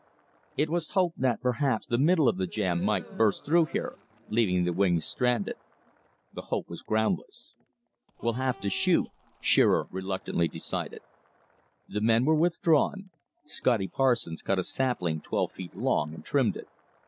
It was hoped that perhaps the middle of the jam might burst through here, leaving the wings stranded. The hope was groundless. "We'll have to shoot," Shearer reluctantly decided. The men were withdrawn. Scotty Parsons cut a sapling twelve feet long, and trimmed it.